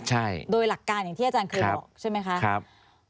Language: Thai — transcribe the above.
ใช่โดยหลักการอย่างที่อาจารย์เคยบอกใช่ไหมคะครับ